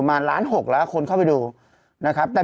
อ่าฮะเขาอยู่เก่าใย